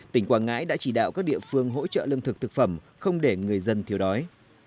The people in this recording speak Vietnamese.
tỉnh quảng ngãi đã chỉ đạo các địa phương hỗ trợ lương thực thực phẩm không để người dân thiếu đói